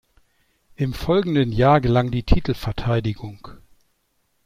Im folgenden Jahr gelang die Titelverteidigung.